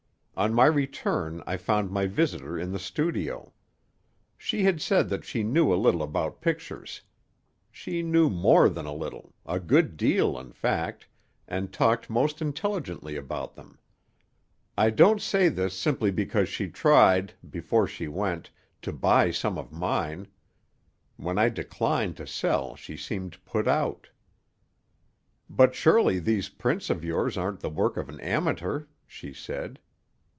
On my return I found my visitor in the studio. She had said that she knew a little about pictures. She knew more than a little, a good deal, in fact, and talked most intelligently about them. I don't say this simply because she tried, before she went, to buy some of mine. When I declined to sell she seemed put out. "But surely these prints of yours aren't the work of an amateur," she said.